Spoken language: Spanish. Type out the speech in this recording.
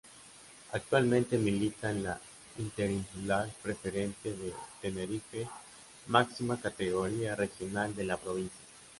Actualmente milita en la Interinsular Preferente de Tenerife, máxima categoría regional de la provincia.